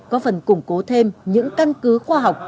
có phần củng cố thêm những căn cứ khoa học